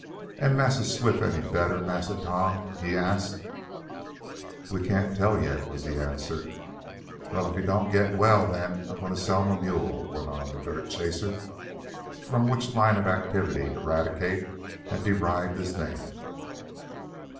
"Am Massa Swift any better, Massa Tom?" he asked. "We can't tell yet," was the answer. "Well, if he doan't git well, den I'm goin' t' sell mah mule," went on the dirt chaser, from which line of activity Eradicate had derived his name.